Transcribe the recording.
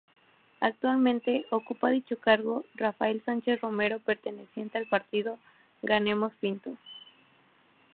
Actualmente ocupa dicho cargo Rafael Sánchez Romero perteneciente al partido ganemos Pinto.